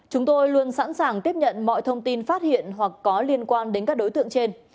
chúng tôi luôn sẵn sàng tiếp nhận mọi thông tin phát hiện hoặc có liên quan đến các đối tượng trên